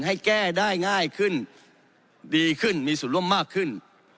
ให้แก้ได้ง่ายขึ้นดีขึ้นมีส่วนร่วมมากขึ้น